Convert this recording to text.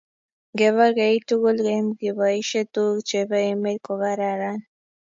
ngebor keitugul eng keboishe tuguk che be emet ko kararan